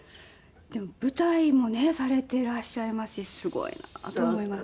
でも舞台もねされていらっしゃいますしすごいなと思います。